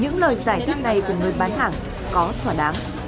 những lời giải thích này của người bán hàng có thỏa đáng